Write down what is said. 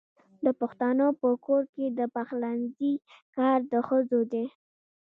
د پښتنو په کور کې د پخلنځي کار د ښځو دی.